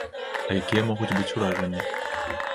А якія могуць быць уражанні?